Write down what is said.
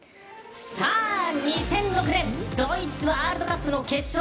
２００６年ドイツワールドカップの決勝